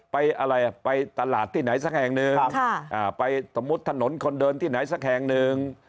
ไปอะไรไปตลาดที่ไหนสักแห่งหนึ่งไปสมมุติถนนคนเดินที่ไหนสักแห่งหนึ่ง